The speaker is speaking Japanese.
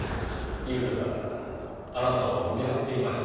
ゆうべからあなたを見張っていました。